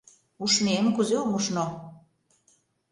Ушнем, кузе ом ушно.